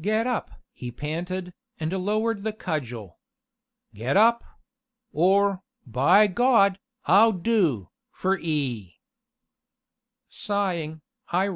"Get up!" he panted, and lowered the cudgel. "Get up or, by God I'll do for 'ee!"